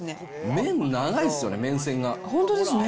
麺長いっすよね、本当ですね。